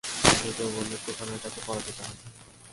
সে যৌবনের তুফানের কাছে পরাজিত হয়।